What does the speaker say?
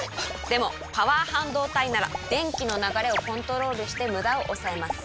でもパワー半導体なら電気の流れをコントロールしてムダを抑えます。